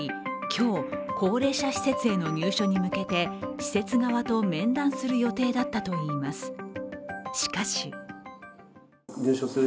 今日、高齢者施設への入所に向けて施設側と面談する予定だったといいます。